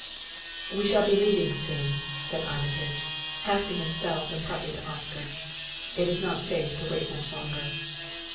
"We shall be leaving soon," said Armitage, half to himself and partly to Oscar. "It is not safe to wait much longer."